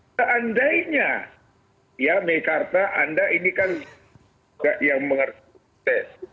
seandainya ya mekarta anda ini kan yang mengerti tes